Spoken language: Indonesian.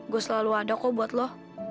gue selalu ada kok buat lo